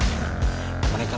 mereka bisa berangkat